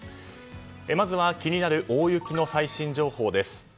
まずは気になる大雪の最新情報です。